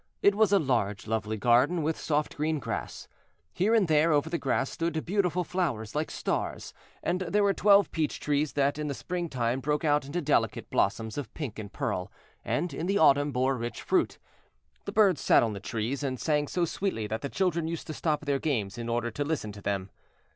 It was a large lovely garden, with soft green grass. Here and there over the grass stood beautiful flowers like stars, and there were twelve peach trees that in the spring time broke out into delicate blossoms of pink and pearl, and in the autumn bore rich fruit. The birds sat on the trees and sang so sweetly that the children used to stop their games in order to listen to them.